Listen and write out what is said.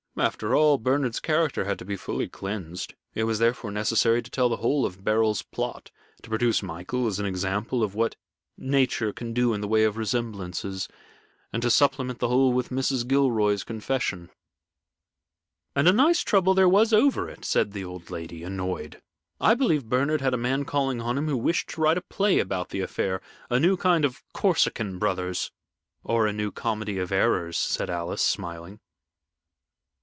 "After all, Bernard's character had to be fully cleansed. It was therefore necessary to tell the whole of Beryl's plot, to produce Michael as an example of what Nature can do in the way of resemblances, and to supplement the whole with Mrs. Gilroy's confession." "And a nice trouble there was over it," said the old lady, annoyed. "I believe Bernard had a man calling on him who wished to write a play about the affair a new kind of 'Corsican Brothers.'" "Or a new 'Comedy of Errors,'" said Alice, smiling.